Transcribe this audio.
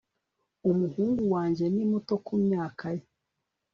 umuhungu wanjye ni muto kumyaka ye